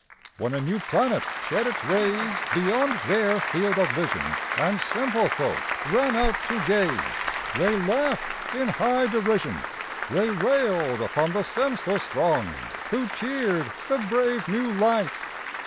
When a new planet shed its rays Beyond their field of vision, And simple folk ran out to gaze, They laughed in high derision. They railed upon the senseless throng Who cheered the brave new light.